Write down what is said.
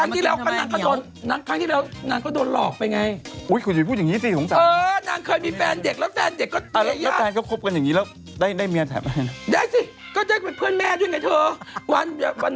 ทีหลังคุณนั่งตอนนี้คุณต้องทำอย่างนี้นะครับ